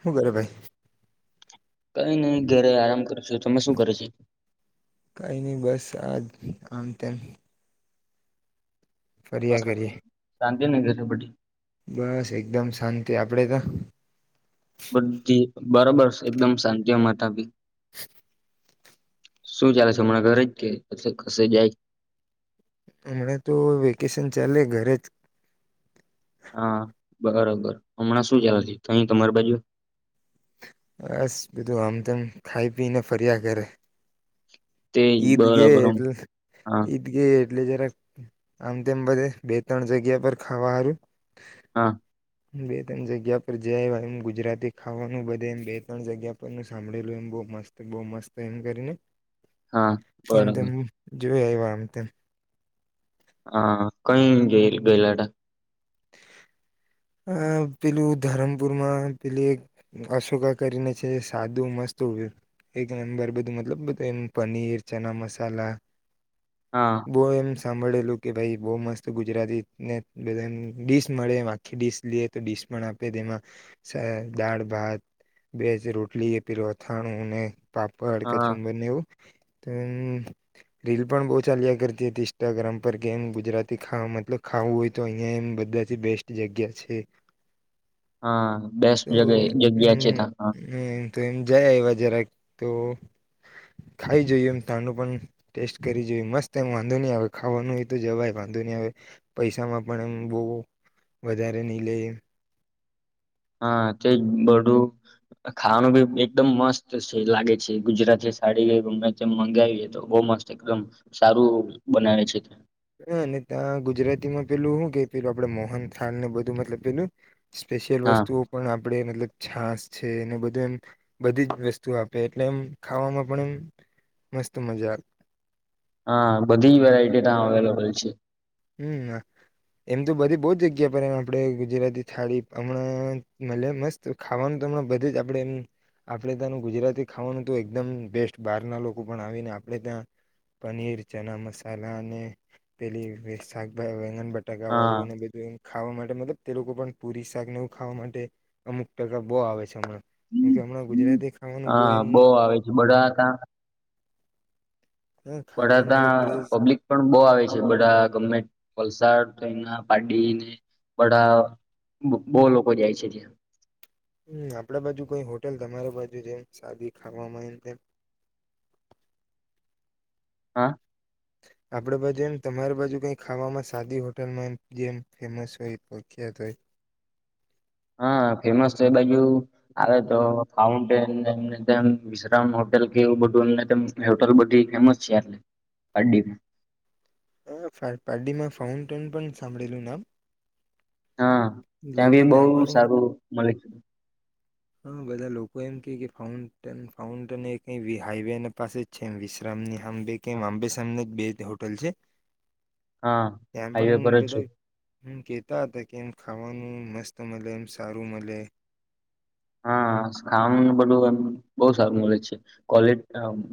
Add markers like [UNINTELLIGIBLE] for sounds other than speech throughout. શું કરે ભાઈ કઈ નહી ઘેરે આરામ કર છો તમે શું કરે છે કઈ નહી બસ આજ આમ તેમ બરો ફર્યા કરીએ શાંત એનેગરે બ્ડી બસ એકદમ શાંતિ આપણેે તો બધી બરાબર એકદમ શાંતિ માતા ભી [INAUDIBLE] શું ચાલે છે હમણાં ઘરે જ કે પ કસે જાય હમણાં તો વેકેશન ચાલે ઘરે જ હા બરોબર હમણાં શું ચાલથી અહી તમારી બાજુ બસ બધું આમ તેમમ ખાઈ પી ને ફર્યા કરે તે ઈદગે બરાબર આમ એ હા ઈદગ એટલે જરા આમ તેમ બધે બે ત્રણ જગ્યા પર ખાવાારું હા બે ત્રણ જગ્યા પર જાય એ ગુજરાતી ખાવાનું બધે એમ બે ત્રણ જગ્યા પર ન સાંભળેલું એમ બ મસ્ત બહ મસ્ત એમ કરીને હા બરો એમ તેમ જોઈ એ આમ તેમ હા કઈ ગે ગયેલા તા અ પેલું ધરમપુરમાં પેલી એક અશોકા કરીને છે સાદું મસ્ત એક નંબર બધું મતલબ એમ પનીર ચણા મસાલા હા બો એમ સાંભળેલું કે ભાઈ બહુ મસ્ત ગુજરાતી ને બધા ડીશ મળે આખી ડીશ લઈએ તો ડીશ પણ આપે તેમાં દાળ ભાત બેજ રોટલી પેલુ અથાણું ને પાપડ હા કચુમ્બર ને એવું તો રીલ પણ બો ચાલ્યા કરતી હતી ઇન્સ્ટાગ્રામ પર કે એમ ગુજરાતી મતલબ ખાવું હોય તો અહિયે એમ બધાથી બેસ્ટ જગ્યા છે. હા બેસ્ટ તો જગ જગ્યા હમ છેતા હ હમ તો એમ જયા એવા જરાક તો ખાઈ જોઈએ એમ તાનું પણ ટેસ્ટ કરી જોઈએ મસ્ત એમ વાંધો નહીં આવે ખાવાનું હોય તો જવાય વાંધો નહીં આવે પૈસામાં પણ એમ બો વધારે નહી લે. હા તેજ બધું ખાવાનું બી એકદમ મસ્ત હ ત્યાં ગુજરાતીમાં પેલું હું કે પેલું આપડે મોહન થાલ ને બધું મતલબ પેલું સ્પેશિયલ હા વસ્તુઓ પણ આપણે મતલબ છાસ છે એને બધું એમ બધી જ વસ્તુ આપે એટલે એમ ખાવામાં પણ એમ મસ્ત મજા આવે. હા બધી વેરાઈટી ત્યા અવેલેબલ છે. હમ એમ તો બધી બો જગ્યા પર એમ આપણે ગુજરાતી થાળી હમણાં [UNINTELLIGIBLE] મસ્ત ખાવાનું તો હમણાં બધે જ આપણેે એમ આપણેે ત્યાંનું ગુજરાતી ખાવાનું તો એકદમ બેસ્ટ બહાર ના લોકો પણ આવી ને આપણે ત્યાં પનીર ચણા મસાલા અને પેલી [UNINTELLIGIBLE] વેગન બ ટકા હા વાળું ને બીધું એમ ખાવા માટે મતલબ તે લોકો પણ પુરી શાકને એવું ખાવા માટે અમુક ટકા બો આવે છે હમણાં કેમકે હમણાં ગુજરાતી ખાવાનું બહુ હા એમ બો આવે છે બધા હતા અ બધા ખાવાનું બહુ તા ક્રેઝ પબ્લિક પણ બો આવે છે બધા ગમે વલસાડ તો અના પાડીને બડા બો લોકો જાય છે ત્યાં. હમ આપડા બાજુ કોઈ હોટેલ તમારી બાજુ જેમ સાદી ખાવામાં એમ તેમ હા. આપણી બાજુ એમ તમારી બાજુ કઈ ખાવામાં સાદી હોટલમાં એમ જેમ ફેમસ હોય પ્રખ્યાત હોય હા ફેમસ તો એ બાજુ આવે તો ફાઉન્ટેન એમ ને તેમ વિશ્રામ હોટલ કેવું બધું એ હોટલ બધી ફેમસ છે પાડી હ ફા પારડીમાં ફાઉન્ટેન પણ સાંભળેલું નામ હા ત્યાં લોકો ભી બો પણ સારું મલે હા બધા લોકો એમ કે કે ફાઉન્ટન ફાઉન્ટન એક હાઈવે પાસે જ છે વિશ્રામની હાંભે કે આંબે કે આંબે સામને બે જ હોટલ છે. હા હાઈવે પર જ છે. હમ્મ કેતા હતા કેમ ખાવાનું મસ્ત મલે એમ સારું મલે હા ખાવાનું બધું એમ બો સારું મલે છે કોલે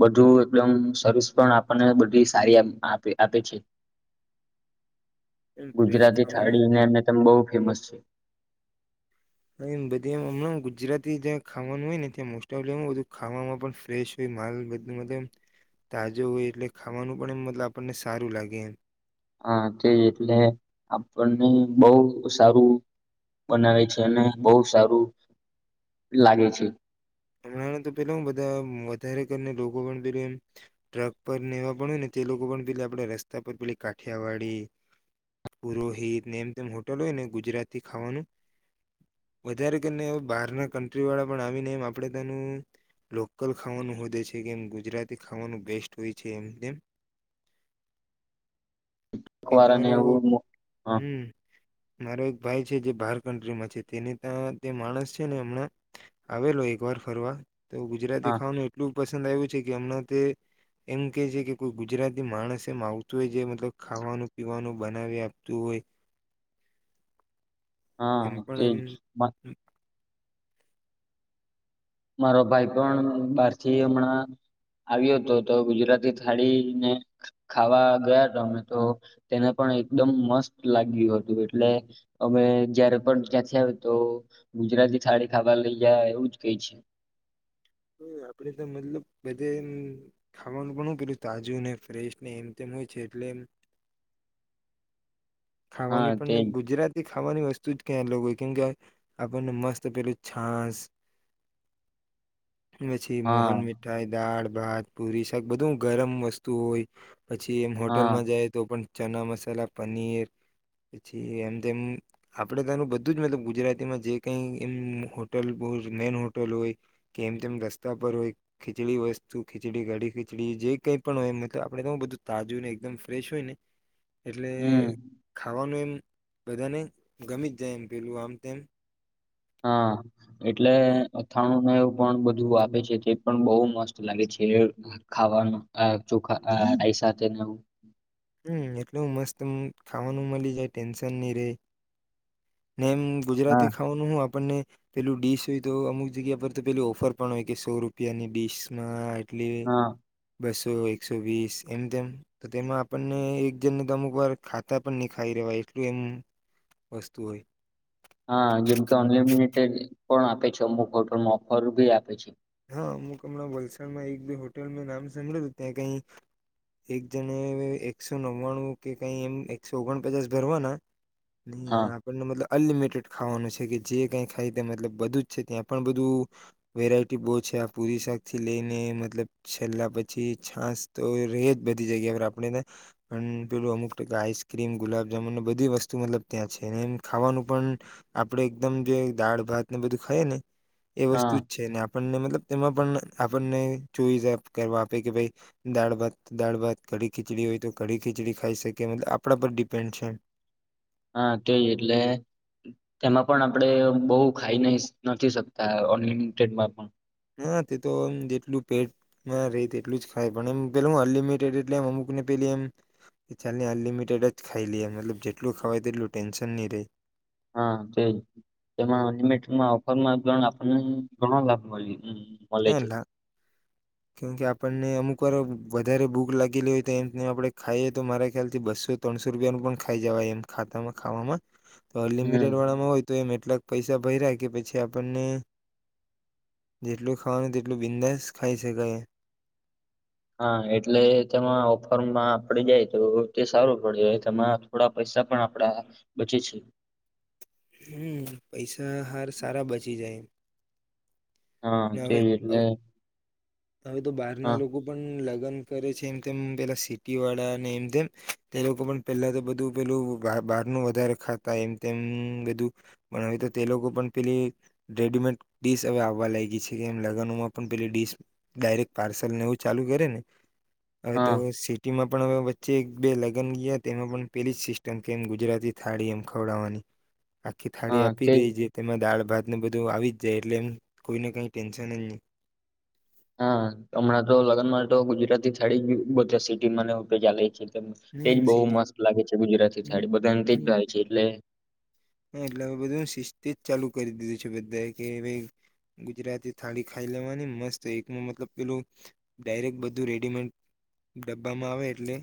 બધું એકદમ સર્વિસ પણ આપણને બધી સારી આપે આપે છે. એમ ફ્રેશ ગુજરાતી ખાવાનું થાળીને એમ તેમ બહુ ફેમસ છે [UNINTELLIGIBLE] બધીમ હમણાં ગુજરાતી જ્યાં ખાવાનું હોય ને ત્યાં મોસ્ટફલી હું બધું ખાવામાં પણ ફ્રેશ હોય માલ બ મતલ તાજો હોય એટલે ખાવાનું પણ એ મતલ આપણને સારું લાગે એમ. હ તે એટલે આપણને બો સારું બનાવે છે અને બો સારું લાગે છે. હમણાં તો પેલા બધા વધારે કરીને [UNINTELLIGIBLE] એમ ટ્રક પર ને એવા પણ હોય ને તે લોકો પણ પેલી આપણે રસ્તા પર પેલી કાઠિયાવાડી પુરોહિતને એમ તેમ હોટલ હોય ને ગુજરાતી ખાવાનું વધારે કરીને બહાર ના કન્ટ્રી વાળા પણ આવીને એમ આપણેતાનું લોકલ ખાવાનું હોધે છે કેમ ગુજરાતી ખાવાનું બેસ્ટ હોય છે એમ તેમ એક અખબાર અને મારો એવું હા હમ મારો એક ભાઈ જે બહાર ક્રીમાં છે તેની ત્યા તે માણસ છે ને અમણા આવેલો ઘર ફરવા. તો ગુજરાતી હા ખાવાનું એટલું પસંદ આવ્યું છે કે હમણાં તે, એમ કે છે કે કોઈ ગુજરાતી માણસ એમ આવતો હોય જે મતલબ ખાવાનું પીવાનું બનાવી આપતું હોય. હા એમ પણ તેજ. એમ મારો ભાઈ પણ બહાર થી હમણાં આવ્યો હતો તો ગુજરાતી થાળી ને ખાવા ગયા હતા અમે તો, તેને પણ એકદમ મસ્ત લાગ્યું હતું એટલે, અમે જયારે પણ ત્યાં થ તો ગુજરાતી થાળી ખાવા લઈ જયા એવું જ કેય છે. આપે તો મતલબ બધે એમ ખાવાનું પણ કર્યું તાજું ને ફ્રેશ ને એમ તેમ હોય છે એટલે એમ હા ખાવાની પણને તેજ ગુજરાતી ખાવાની વસ્તુ જ ક્યાંય લોકો હોય કેમકે, આપણને મસ્ત પેલું છાસ. મછી હા મોહન મિઠાઈ દાળ. ભાત પુરી શાક બધું ગરમ વસ્તુ હોય. પછી એમ હા હોટલમાં જાય તો પણ ચણા મસાલા પનીર. પછી એમ તેમમ આપણે તનું બધું જ મતલબ ગુજરાતીમાં જે કઈ એમ હોટલ મેન હોટલ હોય, કે એમ તેમ રસ્તા પર હોય ખીચડી વસ્તુ ખીચડી ઘાડી ખીચડી જે કઈ પણ હોય મ આપે તો બધું તાજું ને એકદમ ફ્રેશ હોય ને. હમ એટલે. નું એમ બધાને ગમી જ જાય એમ પેલું આમ તેમ. હા. એટલે આમ અથાણું ન એવ. બધું આપે છે તે પણ બહ મસ્ત લાગે છે ખાવાનું ચોખા સાથે ને આવું. હમ એટલું મસ્ત ખાવાનું મળી જાય ટેન્શન નહી રે. ને એમ હા ગુજરાતી ખાવાનું હું આપણને. પેલું ડીશ હોય તો અમુક જગ્યા પર તો પેલી ઓફર પણ હોય કે સૌ રૂપિયાની ડીશ માં એટલી હા બસ ો એકસૌ વીસ એમ તેમ તો તેમાં આપણને એક જણને તો અમુક વાર ખાતા પણ નહી ખાઈ રવાય, એટલું એમ વસ્તુ હોય. હા જેમ કે અનલિમિટેડ પણ આપે છે અમુક હોટલમાં ઓફર ભી આપે છે. હા હુક હમણાં વલસાડમાં એક બે હોટેલ ન નામ સાભળલું ત્યાં કઈ, એક જને એકસૌ નવ્વાણું કે કઈ એમ એકસૌ ઓગણ પચાસ ભરવાના. ન હા આપણ મતલબ અનલિમિટેડ ખાવાનું છે કે જે કઈ ખાય તે મતલબ બધું જ છે, ત્યાં પણ બધું વેરાયટી બહુ છે આ પુરી શાક થી લઈને મતલબ છેલ્લા પછી છાસ તો ર જ બધી જગ્યા પર આપણેને પણ, પેલું અમુક ટકા આઈસક્રીમ ગુલાબ જામુન બધી વસ્તુ મતલબ ત્યાં છે ને એમ ખાવાનું પણ, આપડે એકદમ જે દાળ ભાત ને બધું ખાઈએ ને. એ વસ્તુ હા જ છે ને આપ લ તેમાં પણ આપણને કરવા આપે કે ભાઈ દાળ ભાત દાળ ભાત, કડી ખીચડી હોય તો કડી ખીચડી ખાઈ શકે મતલબ આપણા પર ડિપેન્ડ છે. હા તેય એટલે તેમાં પણ આપણે બહુ ખાઈ ન નથી શકતા અનલિમિટેડમાં પણ. હ તે તોમ જેટલું પેટમાં રહી તેટલું જ ખાય પણ એમ પે હ અનલિમિટેડ એટલે એમ અમુક ને પેલી એમ, ચાલને અનલિમિટેડ જ ખાઈ લઈ એ મતલ જેટલું ખવા તેટલું ટેન્શન નહી રહે. હા તે તેમાં લીમીટમાં ઓફરમાં પણ આપણને ઘણો લાભ મળ્યો. કેમ કે આપણને અમુક કોઈ વાર વધારે ભૂખ લાગેલી હોય તો એમને આપણે ખાઈએ તો મારા ખ્યાલ થી બસો ત્રણસો રૂપિયાનું પણ ખાઈ જવાય એમ ખાતામાં ખાવામાં. તો અનલિમિટેડ હમ વાળામાં હોય તો એમ એટલાક. પૈસા ભયરા કે પછી આપણને જેટલું. ખાવાનું તેટલું બિંદાસ ખાઈ શકાય. હા એટલે તેમાં ઓફરમાં આપણેે જાય તો તે સારું પડે. તેમાં થોડા પૈસા પણ આપડા બચે છે. હમ પૈસા હાર સારા બચી જાય. હા, ને હવે તેજ હવે એટલે હવે તો બહાર હા ના લોકો પણ. ગન કરે છે એમ તેમ પેલા સિટી વાળા અને એમ તેમ તે લોકો પણ પેલા તો બધું પેલું બહાર નું વધારે ખાતા એમ તેમ બધું બના તો તે લોકો પણ પેલી રેડીમેડ ડીસ હવે આવવા લાય. ડિસ લગનોમાં પણ પેિસ ડાયરેક પાર્સલ ને એવું ચાલુ કરે ને. હવે તો હા સિટીમાં. પણ હવે વચ્ચે એક બે લગ્ન ગયા તેમાં પણ પેલી જ સિસ્ટમ કે એમ ગુજરાતી થાળી એમ ખવડાવવાની. આખી થાળી હા આપી દે તેજ જે. તેમાં દાળ. ભાત ને બધું આવી જ જાય. એટલે એમ કોઈને કઈ ટેન્શન જ નહીં. હા હમણાં તો લગનમાં તો ગુજરાતી થાળી જ અ બધા સિટીમાં ચાલે છે. તેજ હમ બહુ સિટી મસ્ત લાગે છે ગુજરાતી હમ થાડી બધાને તેજ ભાવ છે. એટલે હ એટલે હવે બધું શિસ્તેજ ચાલુ કરી દીધું છે. બધાએ કે ગુજરાતી થાળી ખાઈ લેવાની મસ્ત એકમાં મતલબ પેલું ડાયરેક્ટ બધું રેડીમેડ ડબ્બામાં આવે એટલે.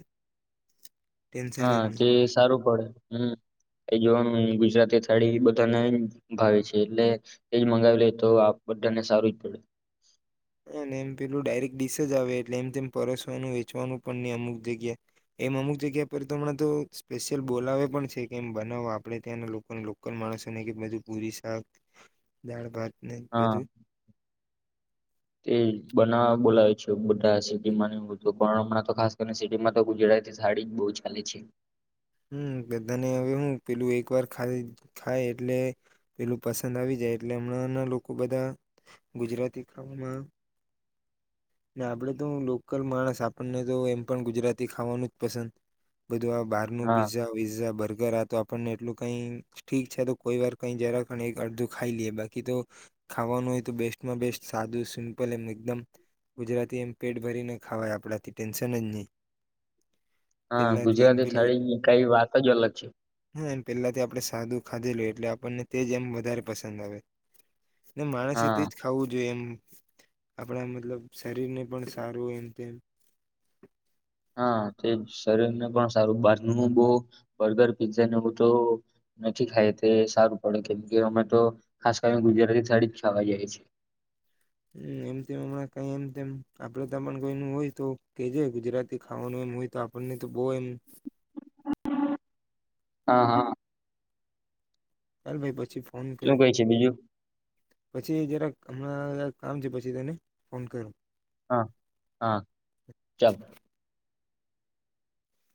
ટેન્શન જ હા. નહીં તે સારું પડે. હમ એ જોવાનું ગુજરાતી થાળી બધાને ભાવે છે એટલે એજ મંગાવી લે તો આપ બધાને સારું જ પડે. હ એમ પેલું ડાયરેક્ટ ડીસ જ આવે એટલે એમ તેમ પરસવાનું વેચવાનું પણ નહી અમુક જગ્યા એમ અમુક જગ્યા પર તો હમણાં તો સ્પેશિયલ બોલાવે પણ છે કે એમ બનાવો આપડે ત્યાંના લોકલ માણસોને કેજું પુરી શાક દાળ ભાત ને હા બધું. તે બનાવા બોલાવે છે બ સિટીમાં ને બધું પણ હમણાં તો ખાસ કરીને સિટીમાં તો ગુજરાતી થાળી જ બહુ ચાલે છે. હમ બધાને હવે હું પેલું એક વાર ખાય એટલે પેલું પસંદ આવી જાય એટલે હમણાંના લોકો બધા ગુજરાતી ખાવામાં ને આપડે તો હુ લોકલ માણસ આપણને તો એમ પણ ગુજરાતી ખાવાનું જ પસંદ બધું આ બહારનું હા પીઝા વિઝા બર્ગર આ તો પણ એટલું કઈ ઠીક છે તો કોઈ વાર કઈ જરાખ એક અડધું ખાઈ લઈએ બાકી તો ખાવાનું હોય તો બેસ્ટમાં બેસ્ટ સાદું સિમ્પલ એમ એકદમ ગુજરાતી એમ પેટ ભરીને ખાવાય આપણાથી ટેન્શન જ નહી. હા. ગુજરાતી થાળીની કઈ વાત જ અલગ છે. પેલાથી આપડે સાદું ખાધેલું એટલે આપણને તે જ એમ વધારે પસંદ આવે. ને માણસે હા તેજ ખાવું જોઈએ એમ આપણા મતલબ શરીર ને પણ સારું એમ તેમ. હા તે શરીર ને પણ સારું બહારનું બો બર્ગર પીઝા ને એવ તો નથી ખાય તે સારું પડે કેમ કે અમે તો ખાસ કરીને ગુજરાતી થાળી જ ખાવા જઈ છે. હમ એમ તેમ હમણાં કઈ એમ તેમ આપડે તા પણ કોઈનુ હોય તો કેજ ગુજરાતી ખાવાનું એમ હોય તો આપણને તો બહ એમ. હા હા. અરે ભાઈ પછી ફોન કરૂ, શું કઈ છે બીજું પછી જરાક હમણાં કામ છે પછી તેને ફોન કરુ. હા હા ચાલ